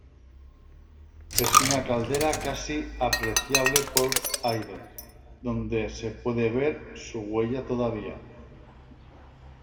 Es una caldera casi apreciable por aire, donde se puede ver su huella todavía.